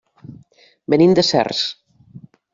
Venim de Cercs.